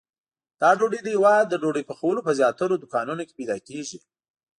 دا ډوډۍ د هیواد د ډوډۍ پخولو په زیاترو دوکانونو کې پیدا کېږي.